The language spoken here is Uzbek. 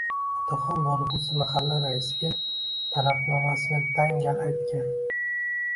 Otaxon bo`lg`usi mahalla raisiga Talabnomasini dangal aytgan